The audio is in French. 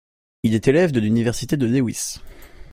Il est élève de l'université de Lewis.